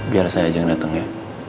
biar saya aja yang datang ya